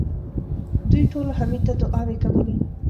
دوی ټولو حميد ته دعاوې کولې.